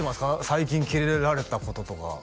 最近キレられたこととか